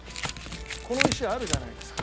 この石あるじゃないですか。